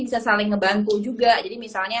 bisa saling ngebantu juga jadi misalnya